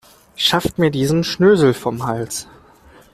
Schafft mir diesen Schnösel vom Hals.